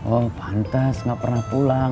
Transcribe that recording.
oh pantas nggak pernah pulang